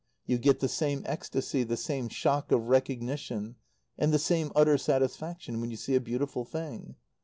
You get the same ecstasy, the same shock of recognition, and the same utter satisfaction when you see a beautiful thing.